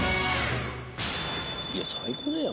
いや最高だよ